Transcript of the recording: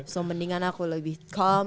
so mendingan aku lebih calm